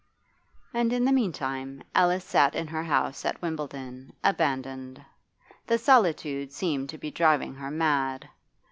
And in the meantime Alice sat in her house at Wimbledon, abandoned. The solitude seemed to be driving her mad.